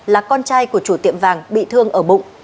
là con trai của chủ tiệm vàng bị thương ở bụng